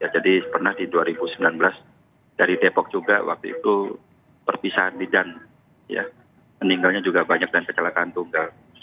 jadi pernah di dua ribu sembilan belas dari depok juga waktu itu perpisahan bidan meninggalnya juga banyak dan kecelakaan tunggal